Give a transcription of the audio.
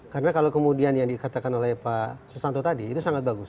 karena kalau kemudian yang dikatakan oleh pak susanto tadi itu sangat bagus